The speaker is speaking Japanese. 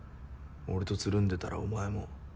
俺とつるんでたらお前も。